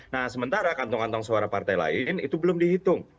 nah sementara kantong kantong suara partai lain itu belum dihitung